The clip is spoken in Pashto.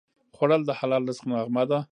خوړل د حلال رزق نغمه ده